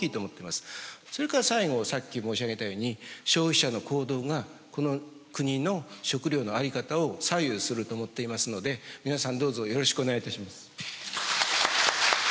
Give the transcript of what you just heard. それから最後さっき申し上げたように消費者の行動がこの国の食料のあり方を左右すると思っていますので皆さんどうぞよろしくお願いいたします。